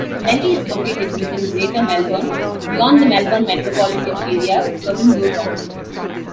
Plenty is located within Greater Melbourne, beyond the Melbourne metropolitan area Urban Growth Boundary.